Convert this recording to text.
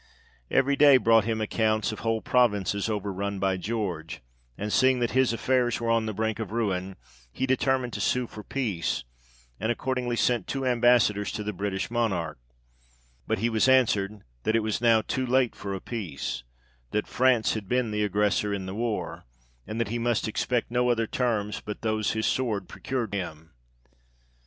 Every day brought him accounts of whole provinces over run by George, and seeing that his affairs were on the brink of ruin, he determined to sue for peace, and accordingly sent two ambassadors to the British Monarch ; but he was answered, u That it was " now too late for a peace That France had been the " aggressor in the war and that he must expect " no other terms but those his sword procured him."